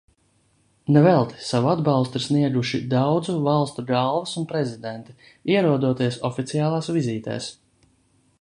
Ne velti savu atbalstu ir snieguši daudzu valstu galvas un prezidenti, ierodoties oficiālās vizītēs.